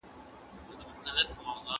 څېړنې د ټولنیزې بیا کتنې رنګ درلود.